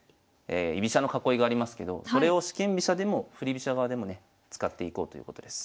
居飛車の囲いがありますけどそれを四間飛車でも振り飛車側でもね使っていこうということです。